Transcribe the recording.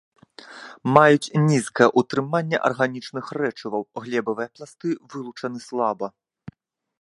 Маюць нізкае ўтрыманне арганічных рэчываў, глебавыя пласты вылучаны слаба.